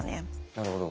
なるほど。